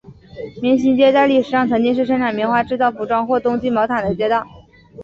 棉行街在历史上曾经是生产棉花制造服装或冬季毛毯的街道。